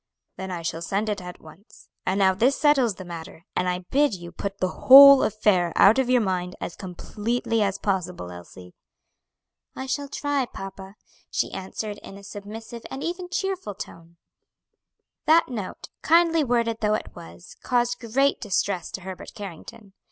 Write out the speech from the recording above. "Then I shall send it at once. And now this settles the matter, and I bid you put the whole affair out of your mind as completely as possible, Elsie." "I shall try, papa," she answered in a submissive and even cheerful tone. That note, kindly worded though it was, caused great distress to Herbert Carrington.